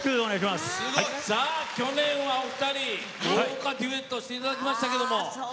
去年はお二人、豪華デュエットをしていただきましたが。